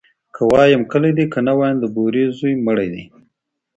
ـ که وايم کلى دى ، که نه وايم د بورې زوى مړى دى.